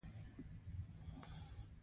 په اېراني لښکرو ماته ګډه شوه.